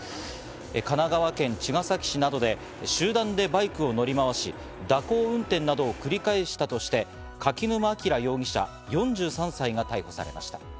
神奈川県茅ヶ崎市などで集団でバイクを乗りまわし、蛇行運転などを繰り返したとして、柿沼明容疑者４３歳が逮捕されました。